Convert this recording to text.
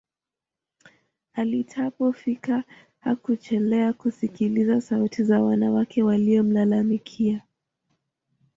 alitapo fika Hakuchelea kusikiliza sauti za wanawake waliomlalamikia